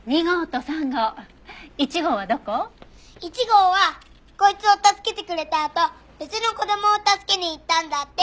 １号はこいつを助けてくれたあと別の子供を助けに行ったんだって！